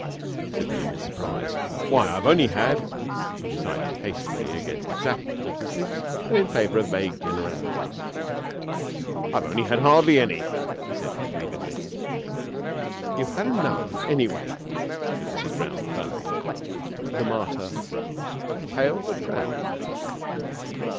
_" said William, in surprise. "Why I've only had " He decided hastily against exact statistics and in favour of vague generalities. "I've only had hardly any," he said, aggrievedly. "You've had enough, anyway," said Mrs. Brown firmly. The martyr rose, pale but proud.